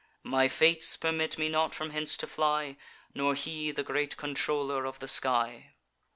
My fates permit me not from hence to fly; Nor he, the great controller of the sky.